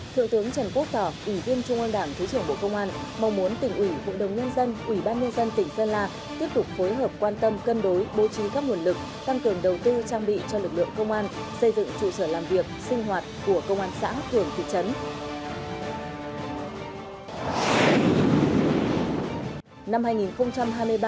thượng tướng trần quốc tỏ ủy viên trung an đảng thứ trưởng bộ công an mong muốn tỉnh ủy vụ đồng nhân dân ủy ban nhân dân tỉnh sơn la tiếp tục phối hợp quan tâm cân đối bố trí các nguồn lực tăng cường đầu tư trang bị cho lực lượng công an xây dựng trụ sở làm việc sinh hoạt của công an xã thường thị trấn